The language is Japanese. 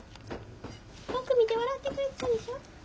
僕見て笑ってくれてたでしょ」。